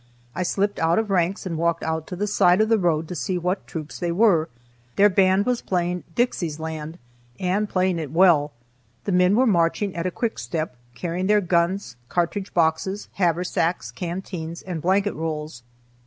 I slipped out of ranks and walked out to the side of the road to see what troops they were. Their band was playing "Dixie's Land," and playing it well. The men were marching at a quick step, carrying their guns, cartridge boxes, haversacks, canteens, and blanket rolls.